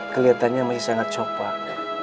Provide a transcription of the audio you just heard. keliatannya masih sangat copak